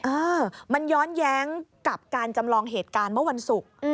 เออมันย้อนแย้งกับการจำลองเหตุการณ์เมื่อวันศุกร์